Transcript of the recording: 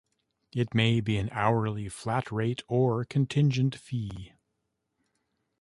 It may be an hourly, flat-rate or contingent fee.